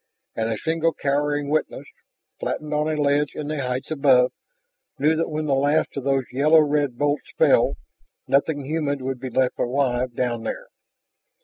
And a single cowering witness, flattened on a ledge in the heights above, knew that when the last of those yellow red bolts fell, nothing human would be left alive down there.